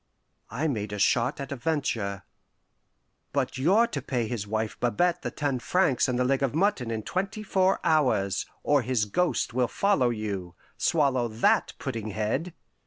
I made a shot at a venture. "But you're to pay his wife Babette the ten francs and the leg of mutton in twenty four hours, or his ghost will follow you. Swallow that, pudding head!